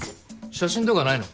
写真とかないの？